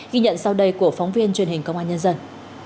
ghi nhận sau đây của phóng viên truyền hình công an nhân dân